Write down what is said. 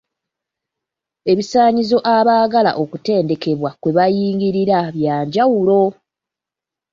Ebisaanyizo abaagala okutendekebwa kwe baayingiriranga bya njawulo.